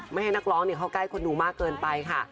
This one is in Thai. ไม่ให้นักร้องเข้าใกล้คนดูมากเกินไปค่ะ